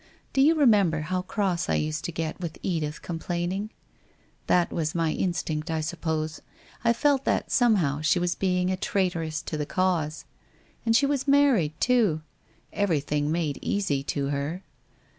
Do you remember how cross I used to get with Edith complain ing? That was my instinct, I suppose. I felt that some how she was being a traitress to the cause. And she was married, too! Everything made easy to her!